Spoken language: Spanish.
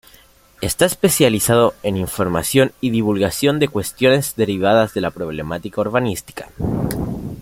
Está especializado en información y divulgación de cuestiones derivadas de la problemática urbanística.